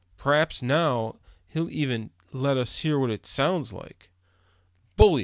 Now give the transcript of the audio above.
P'raps now, he'll even let us hear what it sounds like." "Bully!"